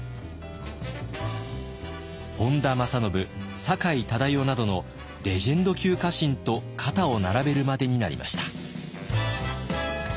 本多正信酒井忠世などのレジェンド級家臣と肩を並べるまでになりました。